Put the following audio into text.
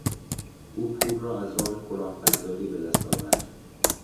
او پول را از راه کلاهبرداری به دست آورد.